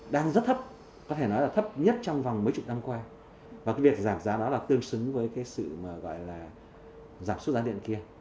đang rất thấp có thể nói là thấp nhất trong vòng mấy chục năm qua và cái việc giảm giá đó là tương xứng với cái sự mà gọi là giảm suất giá điện kia